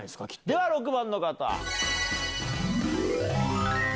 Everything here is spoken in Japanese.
では６番の方。